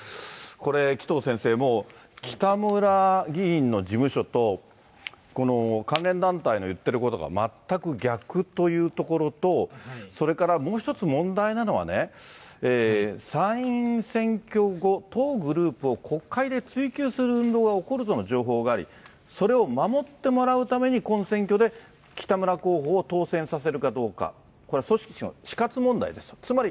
これ、紀藤先生、北村議員の事務所と、この関連団体の言ってることが全く逆というところと、それからもう一つ問題なのはね、参院選挙後、当グループを国会で追及する運動が起こるとの情報があり、それを守ってもらうために今選挙で、北村候補を当選させるかどうか、これは組織の死活問題です。